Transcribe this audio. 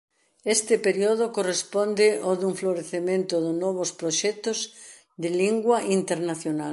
Este período corresponde ao dun florecemento de novos proxectos de lingua internacional.